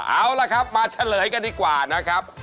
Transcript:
เอาล่ะครับมาเฉลยกันดีกว่านะครับ